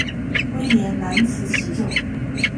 威廉难辞其咎。